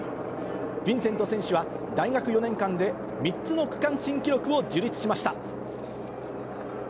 ヴィンセント選手は大学４年間で３つの区間新記録を樹立しました。